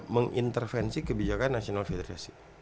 mengintervensi kebijakan national federation